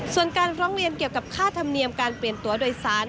ส่วนการร้องเรียนเกี่ยวกับค่าธรรมเนียมการเปลี่ยนตัวโดยสาร